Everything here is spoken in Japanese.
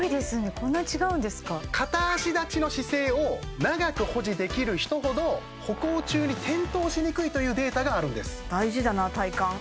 こんなに違うんですか片足立ちの姿勢を長く保持できる人ほど歩行中に転倒しにくいというデータがあるんです大事だな体幹